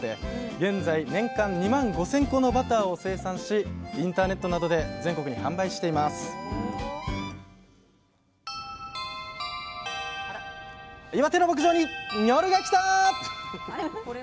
現在年間２万５，０００個のバターを生産しインターネットなどで全国に販売していますあれ？